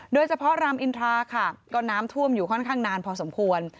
โดยเฉพาะรามอินทราค่ะก็น้ำท่วมอยู่ค่อนข้างนานพอสมควร